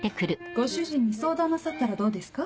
ご主人に相談なさったらどうですか？